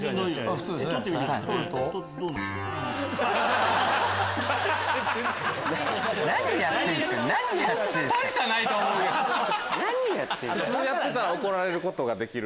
普通やってたら怒られることができる。